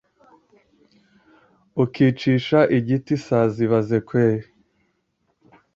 Ukicisha igiti isazi ibaze kweli